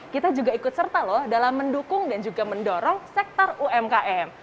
kita juga ikut serta loh dalam mendukung dan juga mendorong sektor umkm